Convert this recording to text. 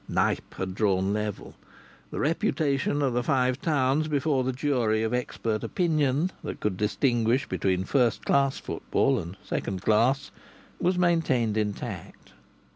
Knype had drawn level. The reputation of the Five Towns before the jury of expert opinion that could distinguish between first class football and second class was maintained intact.